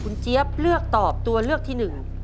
คุณเจี๊ยบเลือกตอบตัวเลือกที่หนึ่ง